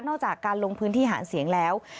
จากการลงพื้นที่หาเสียงแล้ว